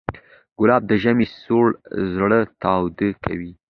ګلاب د ژمي سړه زړه تاوده کوي.